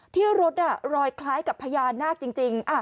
ที่รถรอยคล้ายกับพญานาคจริง